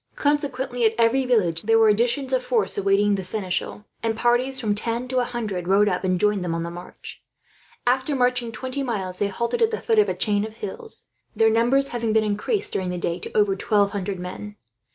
Consequently, at every village there were accessions of force awaiting the seneschal, and parties of from ten to a hundred rode up and joined them on the march. After marching twenty miles, they halted at the foot of a chain of hills, their numbers having been increased during the day to over twelve hundred men.